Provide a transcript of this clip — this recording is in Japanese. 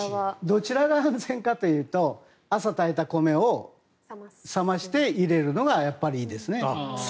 どちらが安全かというと朝炊いた米を冷まして入れるのがやっぱりいいですね。